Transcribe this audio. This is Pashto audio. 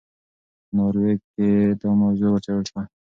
په ناروې کې دا موضوع وڅېړل شوه.